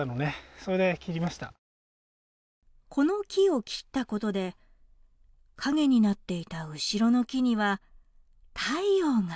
この木を切ったことで陰になっていた後ろの木には太陽が。